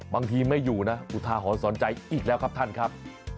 ไม่อยู่นะอุทาหรณ์สอนใจอีกแล้วครับท่านครับ